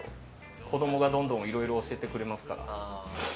子供がどんどんいろいろ教えてくれますから。